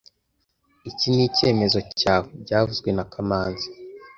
Iki ni icyemezo cyawe byavuzwe na kamanzi